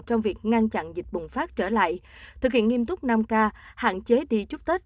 trong việc ngăn chặn dịch bùng phát trở lại thực hiện nghiêm túc năm k hạn chế đi chúc tết